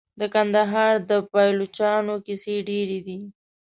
د کندهار د پایلوچانو کیسې ډیرې دي.